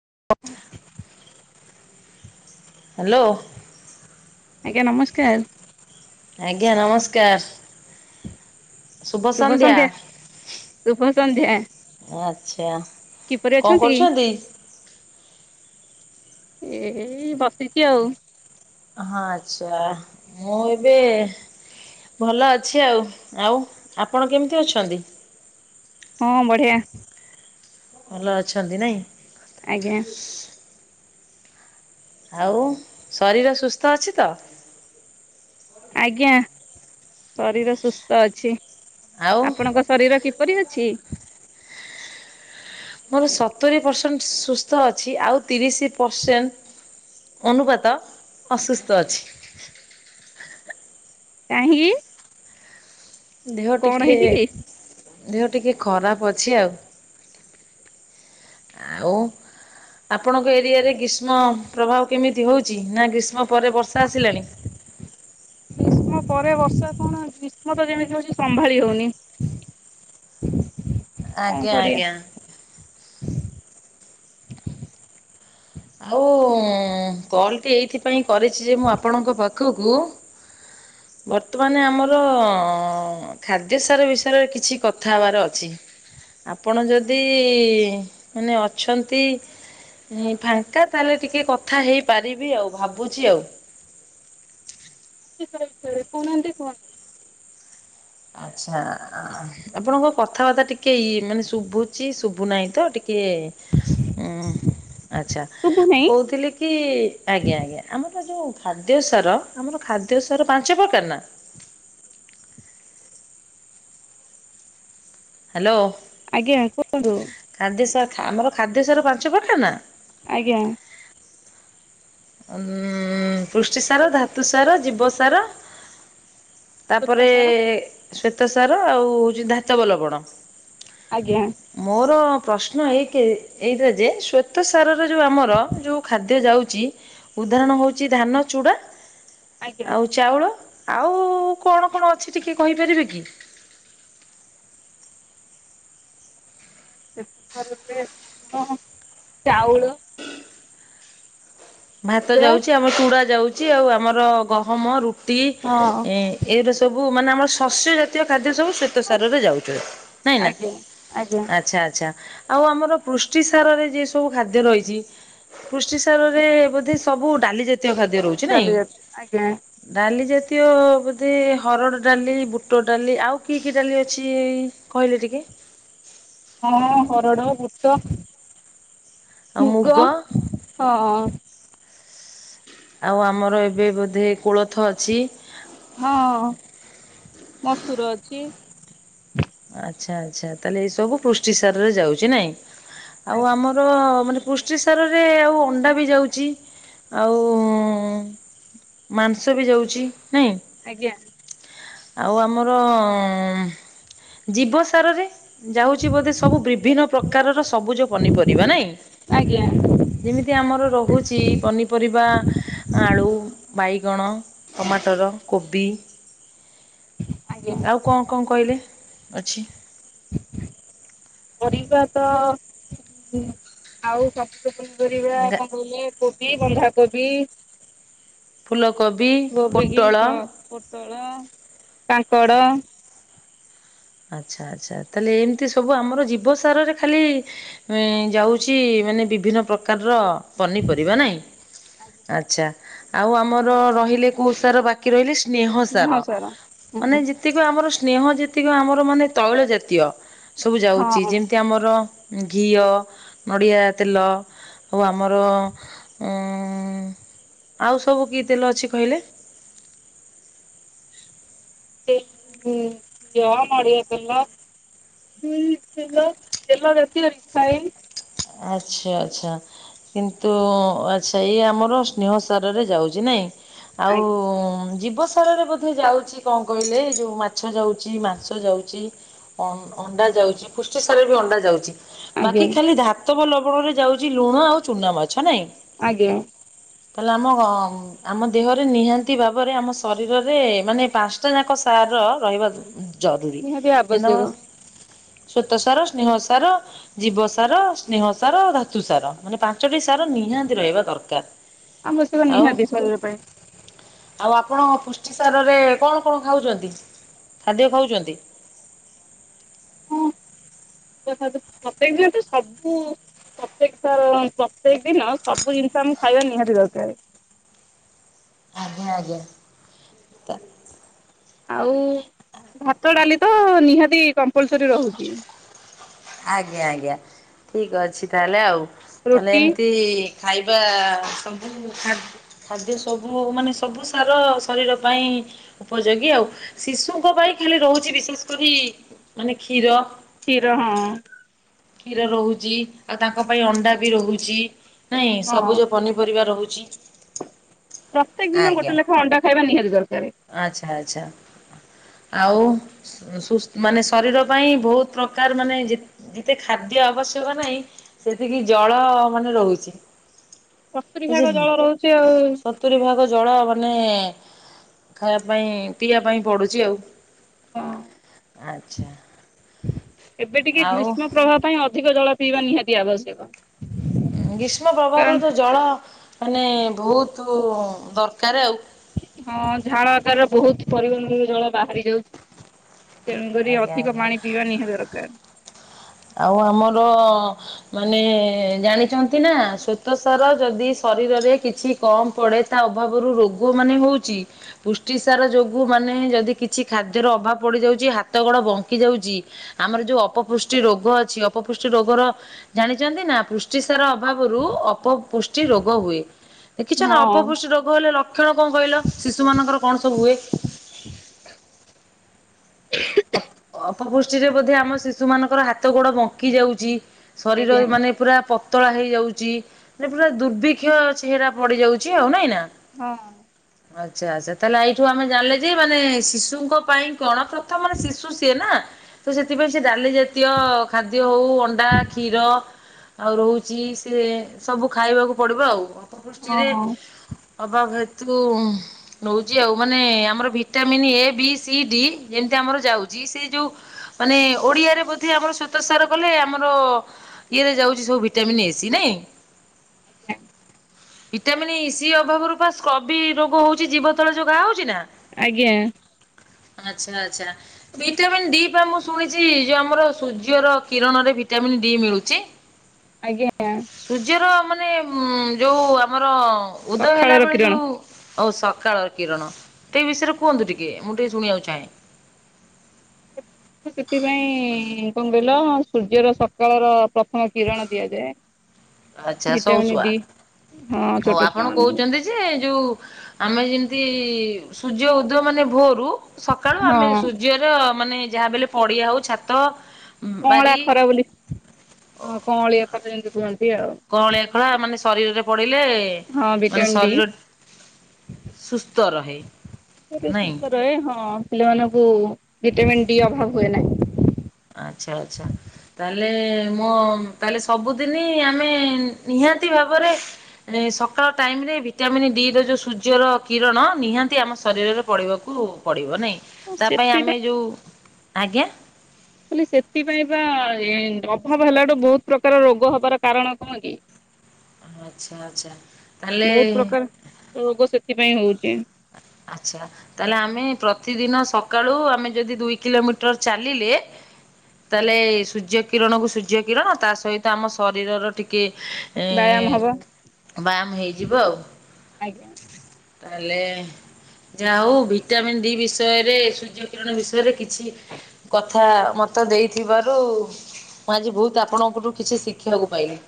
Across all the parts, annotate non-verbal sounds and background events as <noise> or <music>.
<inaudible> Hello. <inaudible> ଆଜ୍ଞା ନମସ୍କାର। ଆଜ୍ଞା ନମସ୍କାର। ଶୁଭ ସନ୍ଧ୍ୟା <inaudible> ଶୁଭ ସନ୍ଧ୍ୟା ଆଛାବ କିପରି <inaudible> କଣ ଅଛନ୍ତି? କରୁଛନ୍ତି? <inaudible> ଏଇ ବସିଛି ଆଉ। ହଁ ଆଚ୍ଛା ମୁଁ ଏବେ ଭଲ ଅଛି ଆଉ ଆଉ ଆପଣ କେମିତି ଅଛନ୍ତି? ହଁ ବଢିଆ। ଭଲ ଅଛନ୍ତି ନାହିଁ। ଆଜ୍ଞା। ଆଉ ଶରୀର ସୁସ୍ଥ ଅଛି ତ? ଆଜ୍ଞା, ଶରୀର ସୁସ୍ଥ ଅଛି। ଆଉ ଆପଣଙ୍କ ଶରୀର କିପ କପରି ଅଛି? ମୋର ସତୁରି ପରସେଣ୍ଟ ସୁସ୍ଥ ଅଛି ଆଉ ତିରିଶ ପରସେଣ୍ଟ ଅନୁପାତ ଅସୁସ୍ଥ ଅଛି। କାହିଁକି? ଦେହ କଣ ଟିକେ ହେଇଛି କି? ଦେହ ଟିକେ ଖରାପ ଅଛି ଆଉ। ଆଉ ଆପଣଙ୍କ ଏରିଆରେ ଗ୍ରୀଷ୍ମ ପ୍ରଭାବ କେମିତି ହଉଛି ନା ଗ୍ରୀଷ୍ମ ପରେ ବର୍ଷା ଆସିଲାଣି? ଗ୍ରୀଷ୍ମ ପରେ ବର୍ଷା କଣ ଗ୍ରୀଷ୍ମ ତ ଯେମିତି ହଉଛି ସମ୍ଭାଳି ହଉନି। କଣ ଆଜ୍ଞା କରିବା ଆଜ୍ଞା ଆଉ କଣଟି ଏଇଥିପାଇଁ କରିଛି ଯେ ମୁଁ ଆପଣଙ୍କ ପାଖ ଖକୁ ବର୍ତ୍ତମାନ ଆମର ଖାଦ୍ୟ ସାର ବିଷୟରେ କିଛି କଥା ହେବାର ଅଛି ଆପଣ ଯଦି ମାନେ ଅଛନ୍ତି ଫା ଫାଙ୍କା ତାହେଲେ ଟିକେ କଥା ହେଇପାରିବି ଆଉ ଭାବୁଛି ଆଉ। କହୁନାହାନ୍ତି କୁହନ୍ତୁ? ଆଛା ଆପଣଙ୍କ କଥାବାର୍ତ୍ତା ଟିକେ ମାନେ ଶୁଭୁଛି ଶୁଭୁନାହିଁ ତ ଟିକେ କେ ଉଁ ଆଛା ଶୁଭୁ ନାହିଁ କହୁଥିଲି କି ଆଜ୍ଞା ଆଜ୍ଞା ଆମର ଯୋଉ ଖାଦ୍ୟ ସାର ଆମର ଖାଦ୍ୟ ସାର ପାଞ୍ଚ ପ୍ରକାର ନା ହ୍ୟାଲୋ। ଆଜ୍ଞା କୁହନ୍ତୁ ଖାଦ୍ୟ ସାର ଆମର ଖାଦ୍ୟ ସାର ପାଞ୍ଚ ପ୍ରକାରର ନା ଆଜ୍ଞା। ଉ ପୃଷ୍ଟି ସାର ଧାତୁ ସାର ଜୀବ ସାର ଶ୍ୱେତ ତାପରେ ସାର ଶ୍ଵେତ ସାର ଆଉ ହଉଛି ଧାତବଲବଣ ଆଜ୍ଞା ମୋର ପ୍ରଶ୍ନ ଏଇ କେ ଏଇଟା ଯେ ଶ୍ୱେତସାର ଯଉ ଆମର ଯୋଉ ଖାଦ୍ୟ ଯାଉ ଉଦାହରଣ ହଉଛି ଧାନ ଚୁଡା ଆଜ୍ଞା ଆଉ ଚାଉଳ ଆଉ କଣ କଣ ଅଛି ଟିକେ କହିପାରିବେ କି? ଶ୍ୱେତ ସାର ଧାନ ଚାଉଳ ଭାତ ଚୁଡା ଯାଉଛି ଆମ ଚୁଡା ଯାଉଛି ଆଉ ଆମର ଗହମ ରୁ ଟି ହଁ ଏଇରା ଏଇରା ସବୁ ମାନେ ଆମର ଶସ୍ୟ ଜାତୀୟ ଖାଦ୍ୟ ସବୁ ଶ୍ଵେତ ସାରରେ ଯାଉଛି ନାଇଁ ନା ଆଜ୍ଞା ଆଜ୍ଞା ଆଚ୍ଛା ଆଚ୍ଛା। ଆଉ ଆମର ପୃଷ୍ଟିସାରରେ ଯେ ସବୁ ଖାଦ୍ୟ ରହିଛି ପୃଷ୍ଟିସାରରେ ବୋଧେ ସବୁ ଡାଲି ଜାତୀୟ। ଜାତୀୟ ଖାଦ୍ୟ ରହୁଛି ନାଇଁ ଡାଲି ଜାତୀୟ ଆଜ୍ଞା ଜା। ଡାଲିଜାତୀୟ ବୋଧେ ହରଡ ଡାଲି ବୁଟ ଡାଲି ଆଉ କି କି ଡାଲି ଅଛି କହିଲେ ଟିକେ। ହଁ ହରଡ଼ ବୁଟ। ମୁଗ ହଁ। ଆଉ ଆମର ଏବେ ବୋଧେ କୋଳଥ ଅଛି। ହଁ ମସୁର ଅଛି। ଆଚ୍ଛା ଆଚ୍ଛା ତାହେଲେ ଏ ସବୁ ପୃଷ୍ଟିସାରରେ ଯାଉଛି ନାଇଁ। ଆଉ ଆମର ମାନେ। ପୃଷ୍ଟିସାରରେ ଆଉ ଅଣ୍ଡା ବି ଯାଉଛି ଆଉ ମାଂସ ବି ଯାଉଛି। ନାଇଁ ଆଜ୍ଞା। ଆଉ ଆମର ଉଁ ଜୀବସାରରେ। ଯାଉଚି ବୋଧେ ସବୁ ବିଭିନ୍ନ ପ୍ରକାରର ସବୁଜ ପନିପରିବା ନାଇଁ ଆଜ୍ଞା ଯେମିତି ଆମର ରହୁଚି ପନିପରିବା ଆଳୁ ବାଇଗଣ ଟମାଟର କୋବି। ଆଜ୍ଞା ଆଉ କଅଁ କଅଁ କଇଲେ? ଅଛି। ପରିବା ତ ଉଁ ଆଉ ସବୁ। <unintelligible> ପନି ପରିବା କଣ କଇଲେ? କୋବି ବନ୍ଧାକୋବି। ଫୁଲକୋବି ଗୋବିିକି ହଁ ପୋଟଳ ପୋଟଳ। କାଙ୍କଡ଼। ଆଚ୍ଛା ଆଚ୍ଛା ତାହେଲେ ଏମତିସବୁ ଆମର ଜୀବସାରରେ ଖାଲି ଯାଉଚି ମାନେ ବିଭିନ୍ନ ପ୍ରକାରର। ପନିପରିବା ନାଇଁ ଆଚ୍ଛା । ଆଉ ଆମର ରହିଲେ କୋଉ ସାର ବାକି ରହିଲେ ଶ୍ ସ୍ନେହ ସାର ମାନେ ହଁ ଯେତିକ ଆମର ସ୍ନେହ ଯେତିକ ଆମର। ମନେ ତୈଳ ଜାତୀୟ। ସବୁ ଯାଉଚି ହଁ ଯେମିତି ଆମର। ଘିଅ, ନଡ଼ିଆ ତେଲ ଆଉ ଆ ଆମର-ଉଁ। ଉଁ ଆଉ ସବୁ କି ତେଲ ଅଛି କହିଲେ? ଏଇ ଉଁ ଘିଅ, ନଡ଼ିଆତେଲ, ସୋରିଷତେଲ ତେଲ ଜାତୀୟ ରିଫାଇନ୍। ଆଚ୍ଛା ଆଚ୍ଛା କିନ୍ତୁଉ ଆଚ୍ଛା ଇଏ ଆମର ସ୍ନେହ ସାରରେ ଯାଉଛଚି ନାଇଁ। ଆଜ୍ଞା ଆଉଉଁ ଯିବ। ଅବସାରରେ ବୋଧେ ଯାଉଚି କଣ କହିଲେ ଏ ଯୋଉ ମାଛ ଯାଉଚି ମାଂସ ଯାଉଚି ଅଁ-ଅଣ୍ଡା ଯାଉଚି ପୃଷ୍ଟିସାରରେ ବି ଅଣ୍ଡା ଯାଉଚି। ବାକି ଆଜ୍ଞା ଖାଲି ଧା ପ୍ରତବ ଲବଣରେ ଯାଉଚି ଲୁଣ ଆଉ ଚୁନା ମାଛ ନାଇଁ। ଆଜ୍ଞା। ତାହେଲେ ଆମ ଆମ ଦେହରେ ନିହାତି ଭାବରେ ଆମ ଶରୀରରେ ମାନେ ପାଞ୍ଚଟା ଯାଁକ ସାର ରହିବା ଦ ନିହାତି ଆବଶ୍ୟକ। ଶ୍ୱେତସାର, ସ୍ନେହସାର, ଜୀବସାର। ସ୍ନେହସାର, ଧାତୁସାର ମାନେ ପାଞ୍ଚଟି ସାର ନିହାତି ରହିବା ଦରକାର। ଆବଶ୍ୟକ ଆଉ ନିହାତି ଶରୀର ପାଇଁ। ଆଉ ଆପଣ ପୁଷ୍ଟି ସାରରେ କଣ କଣ ଖାଉଚନ୍ତି ଖାଦ୍ୟ ଖାଉଚନ୍ତି। ପ୍ରତ୍ୟେକ ଖାଦ୍ୟ ପ୍ରତ୍ୟେକ ଦିନ ତ ସବୁ ପତେକ ସାର ପ୍ରତ୍ୟେକ ଦିନ ସବୁ ଜିନିଷ ଆମେ ଖାଇବା ନିହାତି ଦରକାରେ। ଆଜ୍ଞା ଆଜ୍ଞା। ଆଉ। ଭାତ ଡାଲି ତ ନିହାତି କମ୍ପଲସରି ରହୁଚି। ଆଜ୍ଞା ଆଜ୍ଞା ଠିକ ଅଛି ତାହେଲେ ଆଉ ତାହେଲେ ରୁଟି ଏମିତି ଖାଇବା ସବୁ ଖାଦ୍ୟ ସବୁ ମାନେ ସବୁ ସାର ଶରୀର ପାଇଁ ଉପଯୋଗୀ ଆଉ ଶିଶୁଙ୍କ ପାଇଁ ଖାଲି ରହୁଚି ବିଶେଷ କରି ମାନେ କ୍ଷୀର ଖୀର ହଁ। କ୍ଷୀର ରହୁଚି ଆଉ ତାଙ୍କ ପାଇଁ ଅଣ୍ଡା ବି ରହୁଚି। ନାଇଁ ହଁ ସବୁଜ ପନିପରିବା ରହୁ ଚି ପ୍ରତ୍ୟେକ ଦିନ ଗୋଟେ ଲେଖା ଅଣ୍ଡା ଖାଇବା ନିହାତି ଦରକାର। ଆଚ୍ଛା ଆଚ୍ଛା ଆଉ ସୁସ୍ ମାନେ ଶରୀର ପାଇଁ ବହୁତ ପ୍ରକାର ମାନେ ଏତେ ଖାଦ୍ୟ ଆବଶ୍ୟକ ନାହିଁ ସେତିକି ଜଳ ମାନେ ରହୁଚି। ସତୁରି ଭାଗ ଜଳ ରହୁଚି ଆଉ। ସତୁରି ଭାଗ ଜଳ ମାନେ ଖାଇବା ପାଇଁ ପିଇବା ପାଇଁ ପଡୁଚି ଆଉ ହଁ। ଆ ଆଚ୍ଛା। ଏବେ ଟିକେ ଆଉ ଗ୍ରୀଷ୍ମ ପ୍ରବାହ ପାଇଁ ଅଧିକ ଜଳ ପିଇବା ନିହାତି ଆବଶ୍ୟକ। ଗ୍ରୀଷ୍ମ କାରଣ ପ୍ରଭାବରେ ତ ଜଳ ମାନେ ବହୁତ ଦରକାର ଆଉ। ହଁ ଝାଳ ଆକାରରେ ବହୁତ ପରିବହନ ଜଳ ବାହାରି ଯାଉଚି। ତେଣୁକରି ଆଜ୍ଞା ଅଧିକ ଆଜ୍ଞା ପାଣି ପିଇବା ନିହାତି ଦରକାର। ଆଉ ଆମର ମାନେ ଜାଣିଚନ୍ତି ନା ଶ୍ଵେତ ସାର ଯଦି ଶରୀରରେ କିଛି କମ ପଡେ ତା ଅଭାବରୁ ରୋଗ ମାନେ ହୋଉଚି ପୁଷ୍ଟି ସାର ଯୋଗୁ ମାନେ ଯଦି କିଛି ଖାଦ୍ୟର ଅଭାବ ପଡିଯାଉଚି ହାତ ଗୋଡ ବଙ୍କି ଯାଉଚି ଆମର ଯୋଉ ଅପପୃ ଷ୍ଟି ରୋଗ ଅଛି ଅପପୃଷ୍ଟି ରୋଗର ଜାଣିଚନ୍ତି ନା ପୃଷ୍ଟିସାର ଅଭାବରୁ ଅପପୃଷ୍ଟି ରୋଗ ହୁଏ। ଦେଖିଚ ନା ହଁ ଅପପୃଷ୍ଟି ରୋଗ ହେଲେ ଲକ୍ଷଣ କଣ କହିଲ ଶିଶୁ ମାନଙ୍କର କଣ ସବୁ ହୁଏ? ଅପପୁଷ୍ଟିରେ ବୋଧେ ଆମ ଶିଶୁ ମାନଙ୍କର ହାତ ଗୋଡ଼ ବଙ୍କି ଯାଉଚି। ଶରୀର ଆଜ୍ଞା ମାନେ ପୁରା ପ ପତଳା ହେଇଯାଉଚି ପୁରା ଦୁର୍ବିକ୍ଷ ଚେହେରା ପଡି ଯାଉଚି ଆଉ ନାଇଁ ନା। ହଁ। ଆଛା ଆଚ୍ଛା ତାହେଲେ ଏଇଠୁ ଆମେ ଜାଣିଲେ ଯେ ମାନେ ଶିଶୁଙ୍କ ପାଇଁ କଣ କ ମାନେ ଶିଶୁ ସିଏ ନା। ତ ସେଥିପାଇଁ ସେ ଡାଲି ଜାତୀୟ ଖାଦ୍ୟ ହଉ ଅଣ୍ଡା କ୍ଷୀର ଆଉ ରହୁଛି ସେ ସବୁ ଖାଇବାକୁ ପଡିବ ଆଉ। ପୃଷ୍ଟିରେ ହଁ ଅବାବ ସେତୁ ନୋଉଆଉ ମାନେ ଆମର vitamin A B C D. ଯେମିତି ଆମର ଯାଉଚି ସେ ଯୋଉ ମାନେ ଓଡିଆରେ ବୋଧେ ଆମର ସ୍ଵତ ସାର କଲେ ଆମର ଇଏରେ ଯାଉଚି ସବୁ ଭିଟାମିନ ଏସି ନାଇଁ। ଆ ଭିଟାମିନ୍ ଇ ସି ଅଭାବରୁ ବା ସ୍କବି ରୋଗ ହୋଉଚି ଜୀବତଳ ଯ ଗାହା ହୋଉଚି ନା। ଆଜ୍ଞା। ଆ ଆଛା ଆଛା ଭିଟାମନ୍ ଡି ପାଇଁ ମୁଁ ଶୁଣିଚି ଯୋଉ ଆମର ସୂର୍ଯ୍ୟର କିରଣରେ ଭିଟାମି ଡି ମିଳୁଚି। ଆଜ୍ଞା। ମାନେ ଉ ଯୋଉ ଆମର ହଁ ଉଦୟ ହେଲା ସକାଳର ବେଳେ କିରଣ। ଯୋଉ ହୋଉ ସକାଳ କିରଣ ଟଇ ବିଷୟରେ କୁହନ୍ତୁ, ଟିକେ ମୁଁ ଟିକେ ଶୁଣିବାକୁ ଚାହେଁ। ସେଥିପାଇଁ କଣ କହିଲ ସୂର୍ଯ୍ୟର ସକାଳ ର ପ୍ରଥମ କିରଣ ଦିଆଯାଏ। ଆଚ୍ଛା ଭିଟାମିନ ସୋଉସୁଆ ଡି ହଁ ହୋଉ ଛୋଟ ଛୁଆ ଆପଣ ମାନଙ୍କୁ କହୁଛନ୍ତି ଯେ ଯୋଉ ଆମେ ଯେମିତି ସୂର୍ଯ୍ୟ ଉଦୟ ମାନେ ଭୋରୁ ସକାଳୁ ହଁ ଆମେ ସୂର୍ଯ୍ୟର ମାନେ ଯାହା ବଲେ ପଡିଆ ହୋଉ ଛାତ କଅଁଳା ବାରି ଖରା ବୋଲି ହଁ କଅଁଳିଆ ଖରା ଯେମିତି <inaudible> ଙ୍କଳିଆ ଖର ମାନେ ଶରୀରରେ ପିଲେ ହଁ ମାନେ ଭିଟାମିନ ଡି। ଶରୀର <inaudible> ସୁସ୍ଥ ରହେ। ହ ସୁସ୍ଥ ରହେ ହଁ ପିଲାମାନଙ୍କୁ ଭିଟାମିନ୍ ଡି ଅଭାବ ହୁଏ ନାହିଁ। ଆଚ୍ଛା ଆଚ୍ଛା ତାହେଲେ ମୋ ତାହଲେ ସବୁଦିନ ଆମେ ନିହାତି ଭାବରେ ସକାଳ ଟାଇମରେ ଭିଟାମିନ୍ ଡି ର ଯୋଉ ସୂର୍ଯ୍ୟର କିରଣ ନିହାତି ଆମ ଶରୀରରେ ପଡିବାକୁ ପଡିବ ନାଇଁ। ତା ପାଇଁ ସେଥିପାଇଁ ଆମେ ଯୋଉ ଆଜ୍ଞା। ଖ ସେଥିପାଇଁ ବା ଅଭାବ ହେଲାଠୁ ବୋହୁତ ପ୍ରକାର ରୋଗ ହବାର କାରଣ କଣ କି? ଆଚ୍ଛା ଆଚ୍ଛା ତାହଲେ ସେଥିପାଇ ହଉଚି ଆଛା ତାହେଲେ ଆମେ ପ୍ରତିଦିନ ସକାଳୁ ଆମେ ଯଦି ଦୁଇ କିଲୋମିଟର ଚାଲିଲେ <inaudible> ତାହେଲେ ସୂର୍ଯ୍ୟ କିରଣକୁ ସୂର୍ଯ୍ୟ କିରଣ ତା ସହିତ ଆମ ଶରୀରର ଟିକେ ବ୍ୟାୟାମ ଏଁ ହବ ବାମ୍ ହେଇଯିବ ଆଉ <inaudible> ଆଜ୍ଞା। ତାହେଲେ ଯାହା ହୋଉ ଭିଟାମିିନ ଡି ବିଷୟରେ ସୂର୍ଯ୍ୟ କିରଣ ବିଷୟରେ କିଛି କଥା ମତେ ଦେଇଥିବାରୁ ମୁଁ ଆଜି ବୋହୁତ ଆପଣଙ୍କଠୁ କିଛି ଶିଖିବାକୁ ପାଇଲି।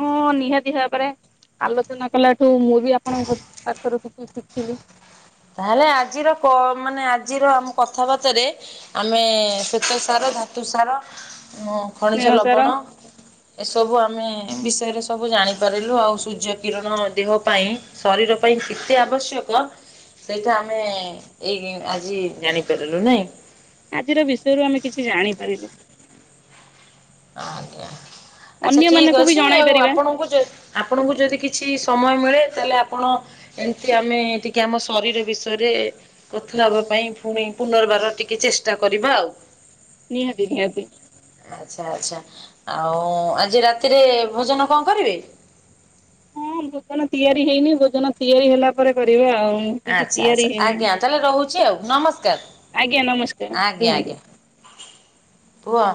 ମୁଁ ନିହାତି ଭାବରେ ଆଲୋଚନା କଲାଠୁ ମୁଁ ବି ଆପଣଙ୍କ ପାଖରୁ କିଛି ଶିଖିବି। ତାହେଲେ ଆଜିର ମାନେ ଆଜିର ଆମ କଥାବାର୍ତ୍ତରେ ଆମେ ଶ୍ଵେତ ସାର ଧାତୁ ସାର ଖଣିଜ ସ୍ନେହ ସାର ଲବଣ ଏସବୁ ଆମେ ବିଷୟରେ ସବୁ ଜାଣିପାରିଲୁ ଆଉ ସୂର୍ଯ୍ୟ କିରଣ ଦେହ ପାଇଁ ଶରୀର ପାଇଁ କେତେ ଆବଶ୍ୟକ ସେଇଟା ଆମେ ଏଇ ଆଜି ଜାଣିପାରିଲୁ ନାଇଁ। ଆଜିର ବିଷୟରୁ ଆମେ କିଛି ଜାଣିପାରିଲୁ। ଆଞା। ଆଚ୍ଛା ଠିକ ବି ଅଛି ଜଣାଇ ଆଉ ପାରିବା ଆପଣଙ୍କୁ ଆପଣଙ୍କୁ ଯଦି କିଛି ସମୟ ମିଳେ। ତାହେଲେ ଆପଣ ଏମିତି ଆମେ ଟିକେ ଆମ ଶରୀର ବିଷୟରେ କଥା ହବା ପାଇଁ ପୁଣି ପୁନର୍ବାର ଟିକେ ଚେଷ୍ଟା କରିବା ଆଉ। ନିହାତି ନିହାତି। ଆଛା ଆଚ୍ଛା ଆଉ ଆଜି ରାତିରେ ଭୋଜନ କଣ କରିବି। ହଁ ଭୋଜନ ତିଆରି ହେଇନି ଭୋଜନ ତିଆରି ହେଲା ପରେ କରିବା ଆଉ। କିଛି ଆଚ୍ଛା ତିଆରି ଆଚ୍ଛା ହେଇନି ଆଜ୍ଞା ତାହେଲେ ରହୁଛି ଆଉ ଆଜ୍ଞା ନମସ୍କାର ନମସ୍କାର ଆଜ୍ଞା ରୁହନ୍ତୁ। ଆଜ୍ଞା କୁହ।